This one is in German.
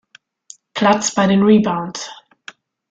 Platz bei den Rebounds.